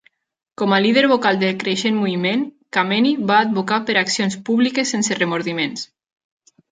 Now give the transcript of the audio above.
Com a líder vocal del creixent moviment, Kameny va advocar per accions públiques sense remordiments.